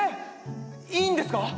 いいんですか？